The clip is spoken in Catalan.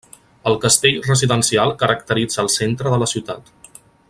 El castell residencial caracteritza el centre de la ciutat.